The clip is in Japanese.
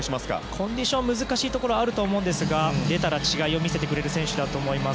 コンディション難しいと思いますが出たら違いを見せてくれる選手だと思います。